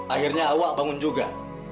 akhirnya awak bangun juga